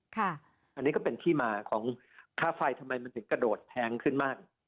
อันนี้ก็เป็นที่มาของค่าไฟทำไมมันถึงกระโดดแพงขึ้นมาก